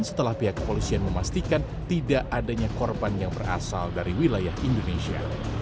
setelah pihak kepolisian memastikan tidak adanya korban yang berasal dari wilayah indonesia